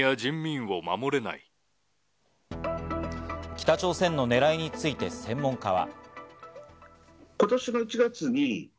北朝鮮のねらいについて専門家は。